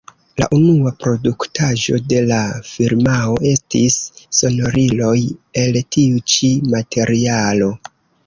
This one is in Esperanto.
La unua produktaĵo de la firmao estis sonoriloj el tiu ĉi materialo.